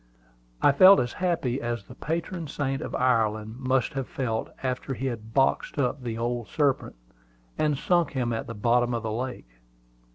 I felt as happy as the patron saint of Ireland must have felt after he had boxed up the old serpent, and sunk him at the bottom of the lake.